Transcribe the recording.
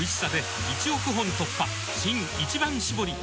新「一番搾り」